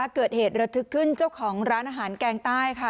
เกิดเหตุระทึกขึ้นเจ้าของร้านอาหารแกงใต้ค่ะ